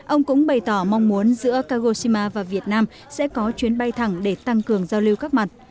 ông cũng bày tỏ mong muốn giữa kagoshima và việt nam sẽ có chuyến bay thẳng để tăng cường giao lưu các mặt